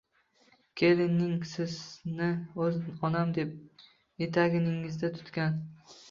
Keliningiz sizni o‘z onam deb etagingizdan tutgan.